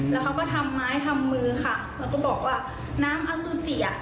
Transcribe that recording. แล้วเขาก็ทำไม้ทำมือค่ะแล้วก็บอกว่าน้ำอสุจิอ่ะ